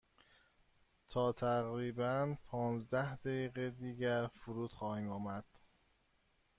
تا تقریبا پانزده دقیقه دیگر فرود خواهیم آمد.